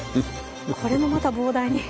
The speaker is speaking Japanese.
これもまた膨大に。